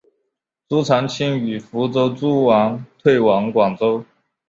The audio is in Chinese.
朱常清与福州诸王退往广州。